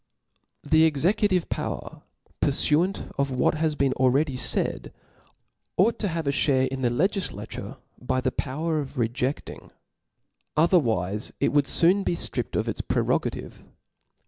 The executive power, purfuant to what has been already faid, ought to have a ihare in the legiilature by the power of rejeAing, otherwife it would foon fee ftrippcd of its prerogative.